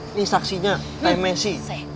ini saksinya saya messi